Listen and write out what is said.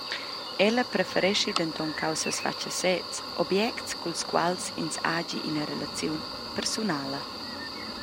Ella prefereschi denton caussas fatgas sez, objects culs quals ins hagi ina relaziun persunala.